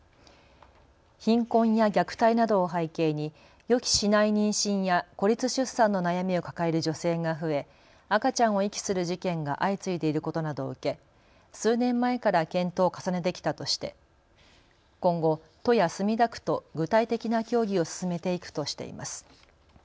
貧困や虐待などを背景に予期しない妊娠や孤立出産の悩みを抱える女性が増え赤ちゃんを遺棄する事件が相次いでいることなどを受け数年前から検討を重ねてきたとして今後、都や墨田区と具体的な協議を進めていくとしています。